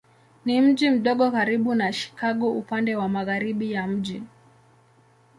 Ni mji mdogo karibu na Chicago upande wa magharibi ya mji.